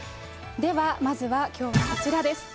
ではまずはきょうはこちらです。